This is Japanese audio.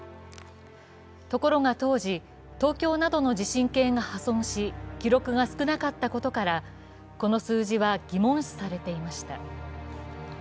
ところが当時、東京などの地震計が破損し、記録が少なかったことからこの数字は疑問視されていました。